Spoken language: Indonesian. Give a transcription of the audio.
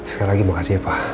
sekali lagi makasih ya pak